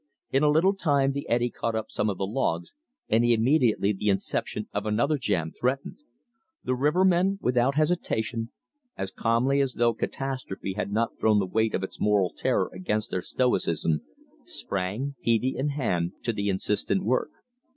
In a little time the eddy caught up some of these logs, and immediately the inception of another jam threatened. The rivermen, without hesitation, as calmly as though catastrophe had not thrown the weight of its moral terror against their stoicism, sprang, peavey in hand, to the insistent work.